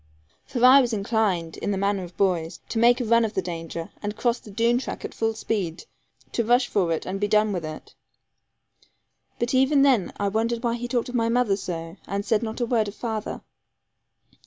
For I was inclined, in the manner of boys, to make a run of the danger, and cross the Doone track at full speed; to rush for it, and be done with it. But even then I wondered why he talked of my mother so, and said not a word of father.